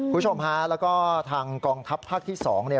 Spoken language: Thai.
คุณสมภาแล้วก็ทางกรองทัพภาคที่๒